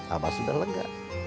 abah sudah lega